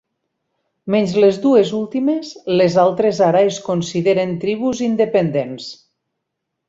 Menys les dues últimes, les altres ara es consideren tribus independents.